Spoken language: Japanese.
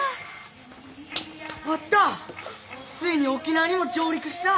ついに沖縄にも上陸した！